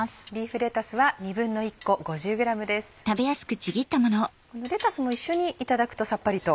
レタスも一緒にいただくとさっぱりと。